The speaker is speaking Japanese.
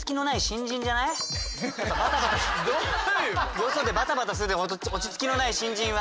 よそでバタバタする落ち着きのない新人は。